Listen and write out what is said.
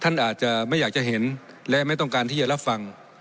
ท่านอาจจะไม่อยากจะเห็นและไม่ต้องการที่จะรับฟัง